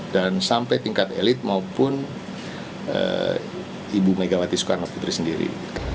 dan sampai tingkat elit maupun ibu megawati soekarno petri sendiri